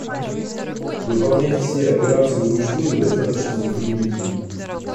Выполнять все операции вручную достаточно затруднительно